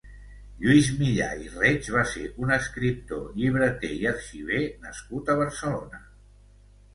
Lluís Millà i Reig va ser un escriptor, llibreter i arxiver nascut a Barcelona.